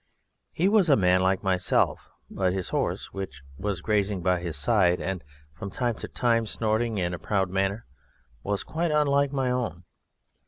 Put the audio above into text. He was a man like myself, but his horse, which was grazing by his side, and from time to time snorting in a proud manner, was quite unlike my own.